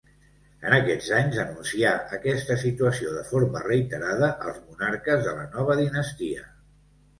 En aquests anys denuncià aquesta situació de forma reiterada als monarques de la nova dinastia.